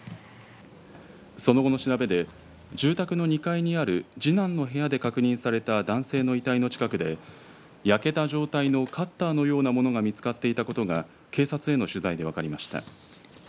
その後の調べで住宅の２階にある次男の部屋で確認された男性の遺体の近くで焼けた状態のカッターのようなものが見つかっていたことが警察への取材で分かりました。